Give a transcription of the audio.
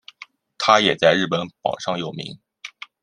它也在日本榜上有名。